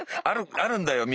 あるんだよ耳。